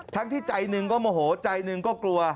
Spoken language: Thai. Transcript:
ที่ใจหนึ่งก็โมโหใจหนึ่งก็กลัว